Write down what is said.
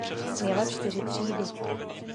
Měla čtyři třídy.